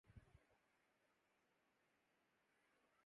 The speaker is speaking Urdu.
تمثالِ جلوہ عرض کر اے حسن! کب تلک